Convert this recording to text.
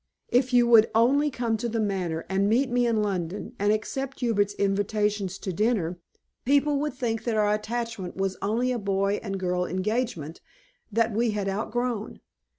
"If you would only come to The Manor, and meet me in London, and accept Hubert's invitations to dinner, people would think that our attachment was only a boy and girl engagement, that we had outgrown.